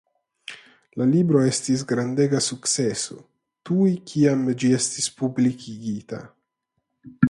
La libro estis grandega sukceso tuj kiam ĝi estis publikigita.